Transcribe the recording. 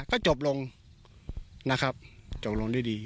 ก็จบลงนะครับจบลงด้วยดี